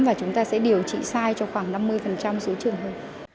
và chúng ta sẽ điều trị sai cho khoảng năm mươi số trường hơn